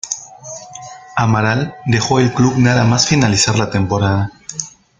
Amaral dejó el club nada más finalizar la temporada.